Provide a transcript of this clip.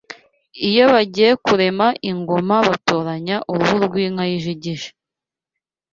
Iyo bagiye kurema ingoma batoranya uruhu rw’inka y’ijigija